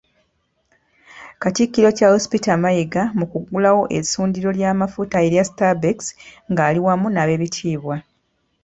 Katikkiro Charles Peter Mayiga mu kuggulawo essundiro ly'amafuta erya Stabex ng'ali wamu n'Abeebitiibwa.